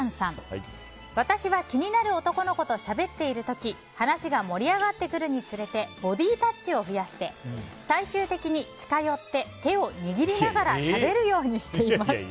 私は気になる男の子としゃべっている時話が盛り上がってくるにつれてボディータッチを増やして最終的に近寄って手を握りながらしゃべるようにしています。